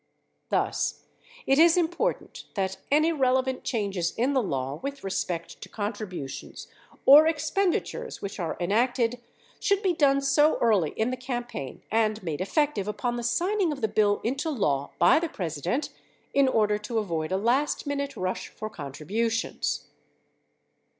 Thus it is important that any relevant changes in the law with respect to contributions or expenditures which are enacted should be done so early in the campaign and made effective upon the signing of the bill into law by the President in order to avoid a last minute rush for contributions.